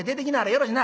よろしな。